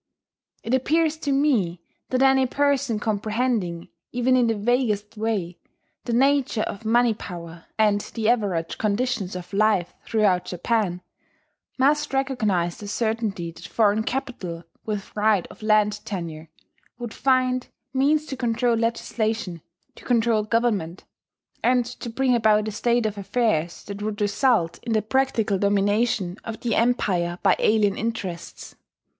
It appears to me that any person comprehending, even in the vaguest way, the nature of money power and the average conditions of life throughout Japan, must recognize the certainty that foreign capital, with right of land tenure, would find means to control legislation, to control government, and to bring about a state of affairs that would result in the practical domination of the empire by alien interests.